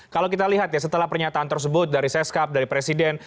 kalau kita lihat ya setelah pernyataan tersebut dari seskap dari presiden